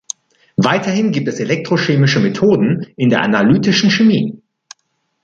Weiterhin gibt es elektrochemische Methoden in der Analytischen Chemie.